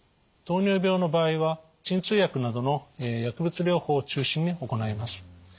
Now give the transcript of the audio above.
糖尿病の場合は鎮痛薬などの薬物療法を中心に行います。